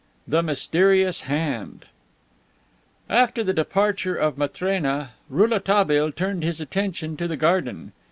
THE MYSTERIOUS HAND After the departure of Matrena, Rouletabille turned his attention to the garden.